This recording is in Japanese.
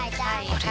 あれ？